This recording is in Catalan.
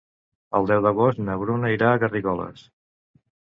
El deu d'agost na Bruna irà a Garrigoles.